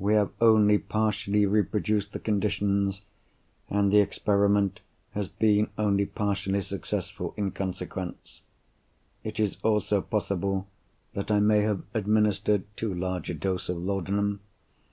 We have only partially reproduced the conditions, and the experiment has been only partially successful in consequence. It is also possible that I may have administered too large a dose of laudanum.